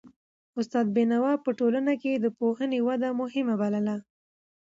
استاد بینوا په ټولنه کي د پوهنې وده مهمه بلله.